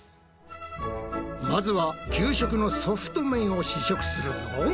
まずは給食のソフト麺を試食するぞ。